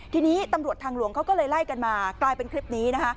ทีนี้ตำรวจทางหลวงเขาก็เลยไล่กันมากลายเป็นคลิปนี้นะคะ